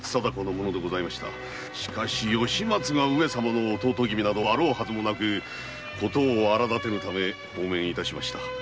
しかし吉松が上様の弟君などあろうはずもなく事を荒だてぬため放免いたしました。